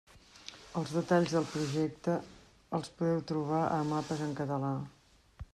Els detalls del projecte els podeu trobar a «Mapes en català».